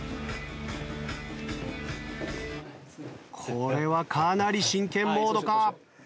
これはかなり真剣モードか？